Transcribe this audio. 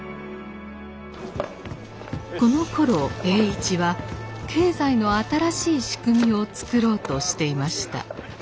このころ栄一は経済の新しい仕組みを作ろうとしていました。